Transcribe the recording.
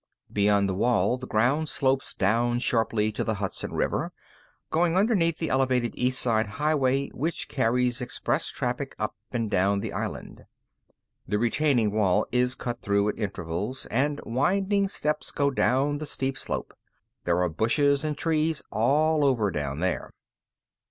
Beyond the wall, the ground slopes down sharply to the Hudson River, going under the elevated East Side Highway which carries express traffic up and down the island. The retaining wall is cut through at intervals, and winding steps go down the steep slope. There are bushes and trees all over down there.